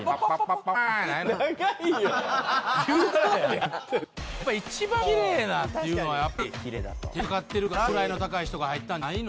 やっぱ一番綺麗なっていうのはやっぱり手間暇かかってるから位の高い人が入ったんじゃないの？